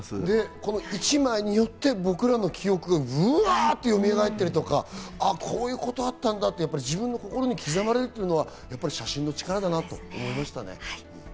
この一枚によって僕らの記憶がブワっとよみがえったりとか、あ、こういうことあったんだって自分の心に刻まれるというのは、やっぱり写真の力だなと思いましたね。